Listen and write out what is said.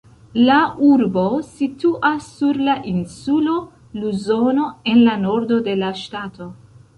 La urbo situas sur la insulo Luzono, en la nordo de la ŝtato.